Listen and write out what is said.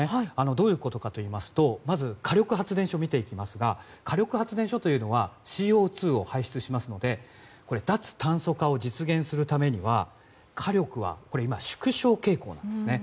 どういうことかといいますとまず、火力発電所を見ていきますと火力発電所というのはＣＯ２を排出しますので脱炭素化を実現するためには火力は今、縮小傾向なんですね。